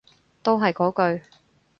都係嗰句